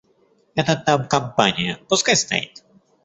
Этот нам компания — пускай стоит.